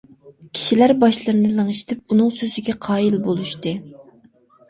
كىشىلەر باشلىرىنى لىڭشىتىپ، ئۇنىڭ سۆزىگە قايىل بولۇشتى.